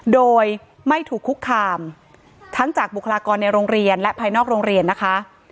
โดยไม่ถูกคุกคามทั้งจากบุคลากรในโรงเรียนและภายนอกโรงเรียนนะคะ